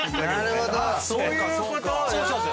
あっそういうこと